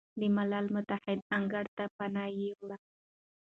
د ملل متحد انګړ ته پناه ویوړه،